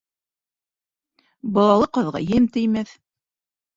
Балалы ҡаҙға ем теймәҫ.